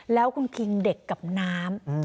แล้วคุณคิงเด็กกับน้ำ